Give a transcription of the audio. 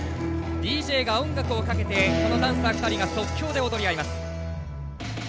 ＤＪが音楽をかけてこのダンサー２人が即興で踊り合います。